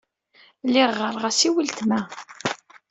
Lliɣ ɣɣareɣ-as i weltma.